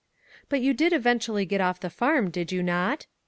"But you did eventually get off the farm, did you not?"